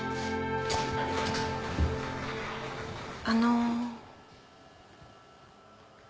あの。